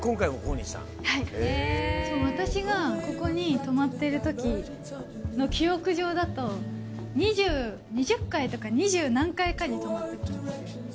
私がここに泊まっているときの記憶上だと、２０、２０階とか、二十何階かに泊まってたんですよ。